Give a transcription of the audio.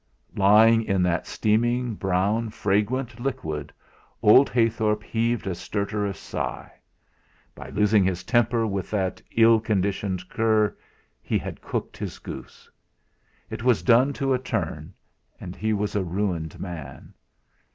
Lying in that steaming brown fragrant liquid, old Heythorp heaved a stertorous sigh. By losing his temper with that ill conditioned cur he had cooked his goose. It was done to a turn; and he was a ruined man.